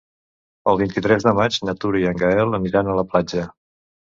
El vint-i-tres de maig na Tura i en Gaël aniran a la platja.